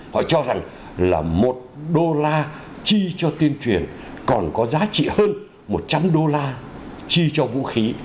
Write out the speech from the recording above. họ cho rằng là một đô la chi cho tuyên truyền còn có giá trị hơn một trăm linh đô la chi cho vũ khí